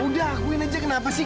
udah akuin aja kenapa sih